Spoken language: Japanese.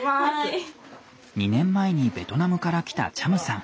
２年前にベトナムから来たチャムさん。